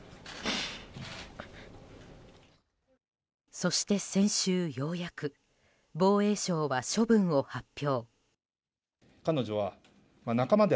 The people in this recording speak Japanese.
そして先週ようやく防衛省は処分を発表。